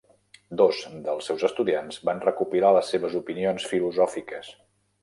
Dos dels seus estudiants van recopilar les seves opinions filosòfiques.